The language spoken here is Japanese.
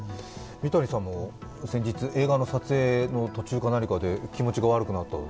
三谷さんも先日映画の撮影の途中か何かで気持ちが悪くなったと？